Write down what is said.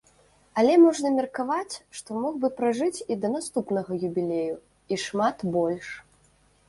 Але можна меркаваць, што мог бы пражыць і да наступнага юбілею, і шмат больш.